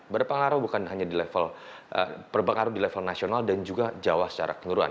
berpengaruh bukan hanya di level nasional dan juga jawa secara keurangan